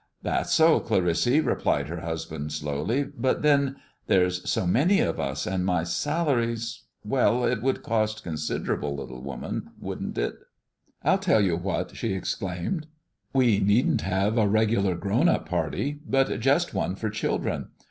"That's so, Clarissy," replied her husband slowly; "but then there's so many of us, and my salary's well, it would cost considerable, little woman, wouldn't it?" "I'll tell you what!" she exclaimed. "We needn't have a regular grown up party, but just one for children.